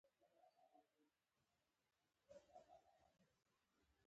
دښته د یووالي درس ورکوي.